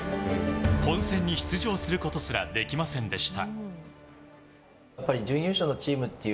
本選に出場することすらできませんでした。